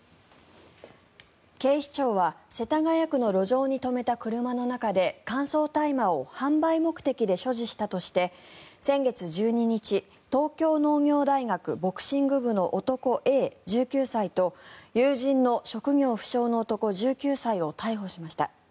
警視庁は世田谷区の路上に止めた車の中で乾燥大麻を販売目的で所持したとして、先月１２日東京農業大学ボクシング部の男Ａ、１９歳と友人の職業不詳の男、１９歳を逮捕しました。